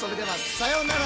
さようなら。